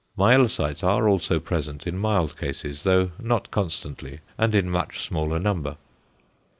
Myelocytes are also present in mild cases, though not constantly and in much smaller number.